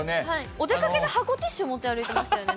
お出かけに箱ティッシュ持ち合ってましたよね。